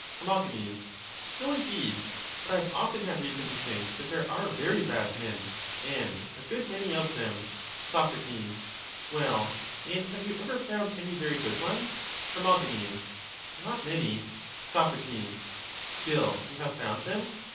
Her. No, indeed ; but I have often had reason to think that there are very bad men, and a good many of them. Soc. Well, and have you ever found any very good ones? Her. Not many. Soc. Still you have found them?